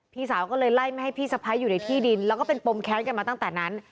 พี่สาวก็เลยไล่ไม่ให้พี่สะพ้ายอยู่ในที่ดินแล้วก็เป็นปมแค้นกันมาตั้งแต่นั้น